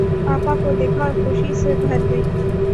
آپا کو دیکھا اور خوشی سے بھر گئی۔